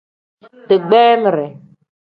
Digbamire.